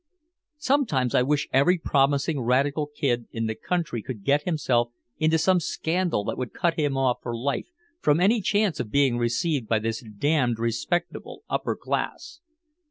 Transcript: Sometimes I wish every promising radical kid in the country could get himself into some scandal that would cut him off for life from any chance of being received by this damned respectable upper class!"